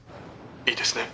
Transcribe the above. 「いいですね？」